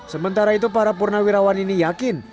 sementara itu para purna wirawan ini yakin